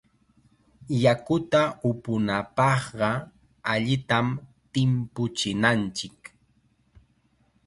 Yakuta upunapaqqa allitam timpuchinanchik.